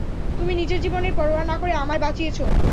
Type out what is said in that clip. তুমি নিজের জীবনের পরোয়া না করে আমায় বাঁচিয়েছ।